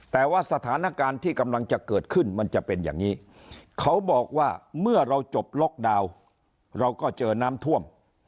แต่ว่าสถานการณ์ที่กำลังจะเกิดขึ้นมันจะเป็นอย่างนี้เขาบอกว่าเมื่อเราจบล็อกดาวน์เราก็เจอน้ำท่วม